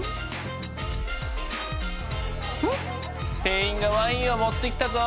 店員がワインを持ってきたぞ。